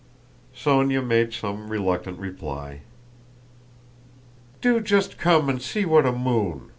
Sónya made some reluctant reply. "Do just come and see what a moon!...